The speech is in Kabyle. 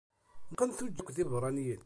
Neqqen tuǧǧal akked iberraniyen.